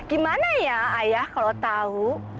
gimana ya si ayah kalau tau